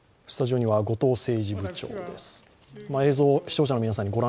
スタジオには後藤政治部長です。